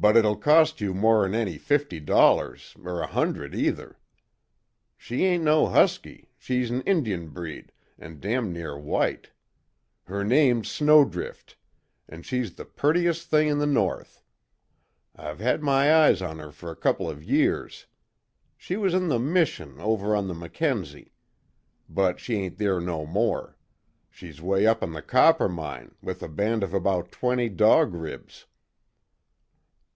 But it'll cost you more'n any fifty dollars er a hundred, either. She ain't no Husky she's an Injun breed an' damn near white. Her name's Snowdrift an' she's the purtiest thing in the North. I've had my eyes on her fer a couple of years. She was in the mission over on the Mackenzie. But she ain't there no more. She's way up the Coppermine, with a band of about twenty Dog Ribs."